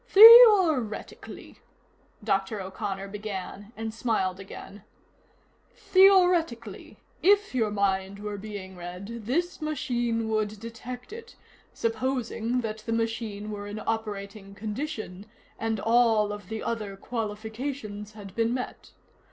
"Theoretically " Dr. O'Connor began, and smiled again "Theoretically, if your mind were being read, this machine would detect it, supposing that the machine were in operating condition and all of the other qualifications had been met.